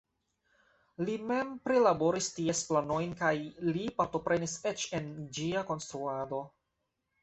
Li mem prilaboris ties planojn kaj li partoprenis eĉ en ĝia konstruado.